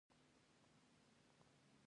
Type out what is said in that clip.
د میوو زړې کرل کیږي.